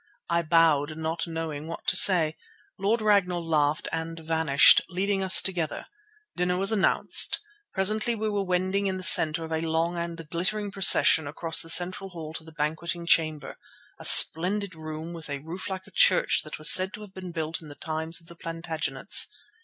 I bowed, not knowing what to say. Lord Ragnall laughed and vanished, leaving us together. Dinner was announced. Presently we were wending in the centre of a long and glittering procession across the central hall to the banqueting chamber, a splendid room with a roof like a church that was said to have been built in the times of the Plantagenets.